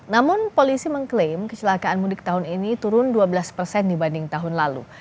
namun polisi mengklaim kecelakaan mudik tahun ini turun dua belas persen dibanding tahun lalu